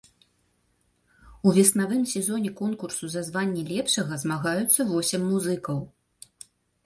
У веснавым сезоне конкурсу за званне лепшага змагаюцца восем музыкаў.